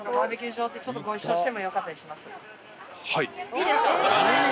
いいですか？